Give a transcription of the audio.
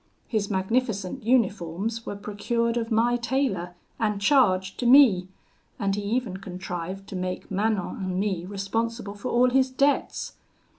His magnificent uniforms were procured of my tailor and charged to me, and he even contrived to make Manon and me responsible for all his debts.